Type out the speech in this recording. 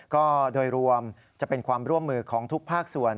ก็โดยรวมจะเป็นความร่วมมือของทุกภาคส่วน